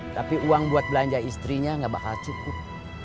tapi uang buat belanja istrinya gak bakal cukup